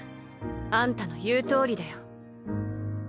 あんたの言うとおりだよ。